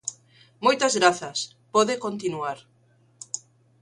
Moitas grazas, pode continuar.